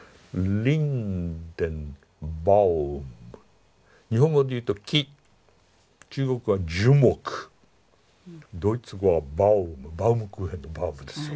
リンデンバウム日本語で言うと木中国語は樹木ドイツ語はバウムバウムクーヘンのバウムですよ